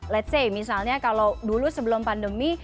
let's say misalnya kalau dulu sebelum pandemi